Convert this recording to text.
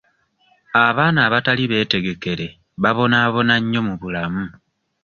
Abaana abatali beetegekere babonaabona nnyo mu bulamu.